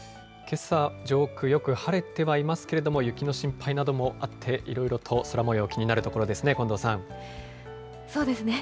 けさ、上空、よく晴れてはいますけれども、雪の心配などもあって、いろいろと空もよう、気になるところですね、近藤さん。